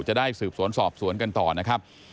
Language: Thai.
จะได้สืบสวนสอบสวนกันต่อนะครับ